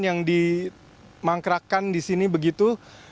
yang dimangkrakkan di sini begitu